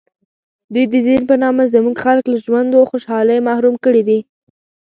دوی د دین په نامه زموږ خلک له ژوند و خوشحالۍ محروم کړي دي.